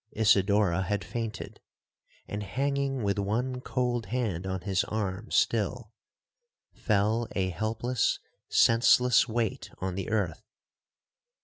Isidora had fainted; and hanging with one cold hand on his arm still, fell a helpless, senseless weight on the earth.